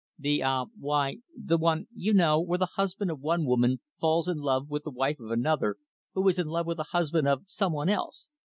"The ah why the one, you know where the husband of one woman falls in love with the wife of another who is in love with the husband of some one else.